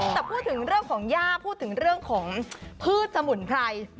แต่พูดถึงเรื่องของย่าพูดถึงเรื่องของพืชสมุนไพร